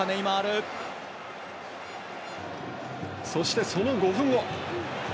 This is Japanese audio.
そして、その５分後。